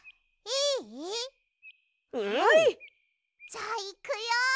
じゃあいくよ！